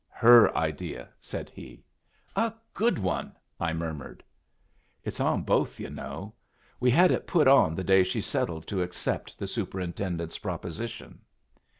"Her idea," said he. "A good one!" I murmured. "It's on both, yu' know. We had it put on the day she settled to accept the superintendent's proposition."